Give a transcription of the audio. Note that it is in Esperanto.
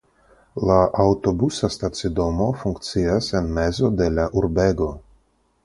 La aŭtobusa stacidomo funkcias en mezo de la urbego.